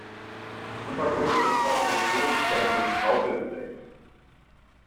Immer größere Teile des Bodens werden durch Graupel bedeckt.